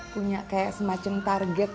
punya kayak semacam target